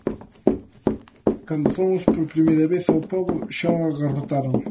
Cando fomos por primeira vez ao pobo, xa o agarrotaran.